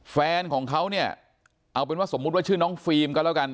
แฟนของเขาเนี่ยเอาเป็นว่าสมมุติว่าชื่อน้องฟิล์มก็แล้วกัน